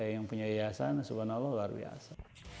yang punya yayasan subhanallah luar biasa